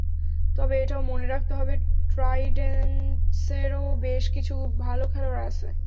তবে এটাও মনে রাখতে হবে, ট্রাইডেন্টসেরও বেশ কিছু ভালো খেলোয়াড় আছে।